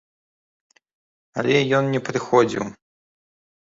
Але ён не прыходзіў.